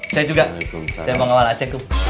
saya juga saya mau ngawal aceh tuh